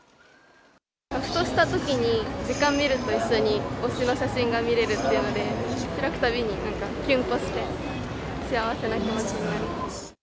ふとしたときに、時間見ると一緒に推しの写真を見れるっていうので、開くたびに、なんか、きゅんとして、幸せな気持ちになります。